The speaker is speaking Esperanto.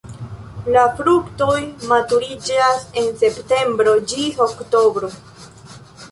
La fruktoj maturiĝas en septembro ĝis oktobro.